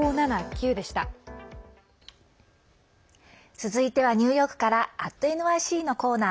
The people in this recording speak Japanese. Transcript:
続いてはニューヨークから「＠ｎｙｃ」のコーナー。